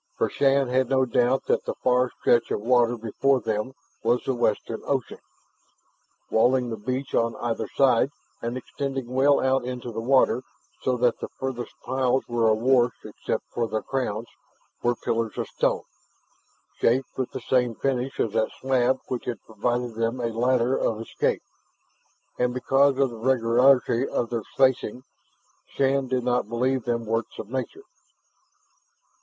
For Shann had no doubt that the wide stretch of water before them was the western ocean. Walling the beach on either side, and extending well out into the water so that the farthest piles were awash except for their crowns, were pillars of stone, shaped with the same finish as that slab which had provided them a ladder of escape. And because of the regularity of their spacing, Shann did not believe them works of nature.